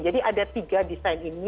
jadi ada tiga desain ini